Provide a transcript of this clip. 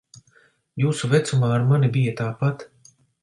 Jūsu vecumā ar mani bija tāpat.